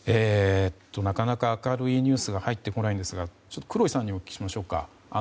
なかなか明るいニュースが入ってこないんですが黒井さんにお聞きしましょうか。